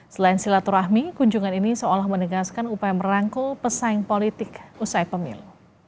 selain silaturahmi kunjungan ini seolah menegaskan upaya merangkul pesaing politik usai pemilu